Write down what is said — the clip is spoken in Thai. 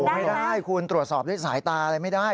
ไม่ได้คุณตรวจสอบด้วยสายตาอะไรไม่ได้